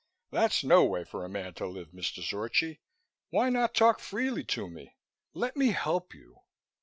That's no way for a man to live, Mr. Zorchi. Why not talk freely to me, let me help you?